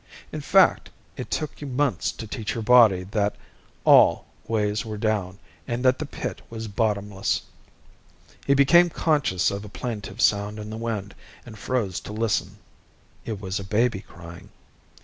In fact, it took you months to teach your body that all ways were down and that the pit was bottomless. He became conscious of a plaintive sound in the wind, and froze to listen. It was a baby crying.